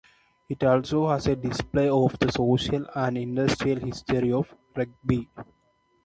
It also has a display of the social and industrial history of Rugby.